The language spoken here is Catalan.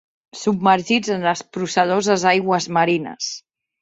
Submergits en les procel·loses aigües marines.